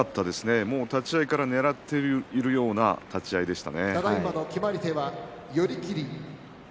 立ち合いからねらっているような立ち合いでした。